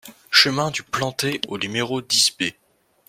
Chemin du Plantez au numéro dix B